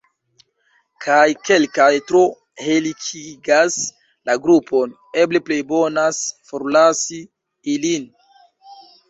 Kaj kelkaj tro helikigas la grupon: eble plejbonas forlasi ilin?